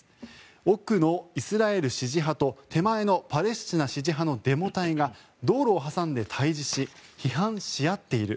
奥のイスラエル支持派と、手前のパレスチナ支持派のデモ隊が道路を挟んで対峙し批判し合っている。